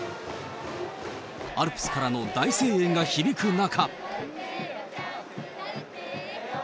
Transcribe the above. アルプスからの大声援が響く中。